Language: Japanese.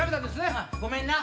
ごめんな。